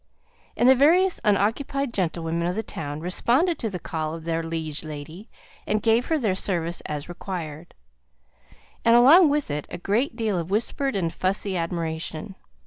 And the various unoccupied gentlewomen of the town responded to the call of their liege lady, and gave her their service as required; and along with it, a great deal of whispered and fussy admiration.